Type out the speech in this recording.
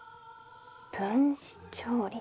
分子調理。